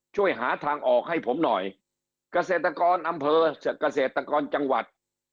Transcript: ช่วยหาทางออกให้ผมหน่อยเกษตรกรอำเภอเกษตรกรจังหวัด